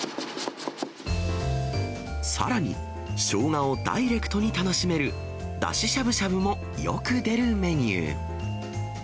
さらに、しょうがをダイレクトに楽しめる、だししゃぶしゃぶもよく出るメニュー。